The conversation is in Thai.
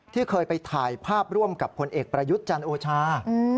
ที่เคยไปถ่ายภาพร่วมกับผลเอกประยุทธ์จันทร์โอชา